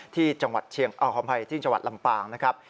ที่จังหวัดลำปางนะครับ